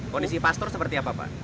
kondisi pastor seperti apa pak